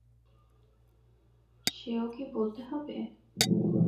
সেও কি বলতে হবে?